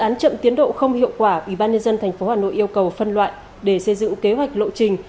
dự án chậm tiến độ không hiệu quả ubnd tp hà nội yêu cầu phân loại để xây dựng kế hoạch lộ trình